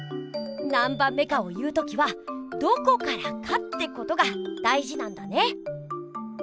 なんばんめかを言う時はどこからかってことが大じなんだね！